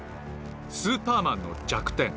スーパーマンの弱点